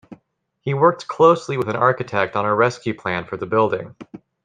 He worked closely with an architect on a rescue plan for the building.